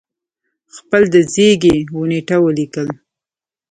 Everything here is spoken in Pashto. خپل د زیږی و نېټه ولیکل